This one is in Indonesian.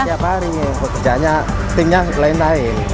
setiap hari pekerjaannya timnya lain lain